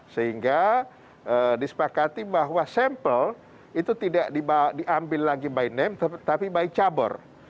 sehingga disepakati bahwa sampel itu tidak diambil lagi by name tapi by cabur